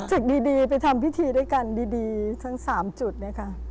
จักรดีไปทำพิธีด้วยกันดีทั้งสามจุดเนี่ยค่ะ